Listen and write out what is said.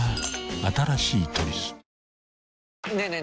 新しい「トリス」ねえねえ